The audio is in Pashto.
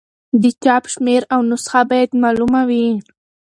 د چاپ شمېر او نسخه باید معلومه وي.